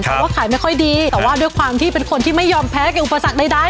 เพราะว่าขายไม่ค่อยดีแต่ว่าด้วยความที่เป็นคนที่ไม่ยอมแพ้กับอุปสรรคใด